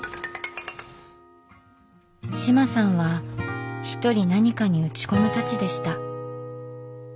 志麻さんはひとり何かに打ち込むタチでした。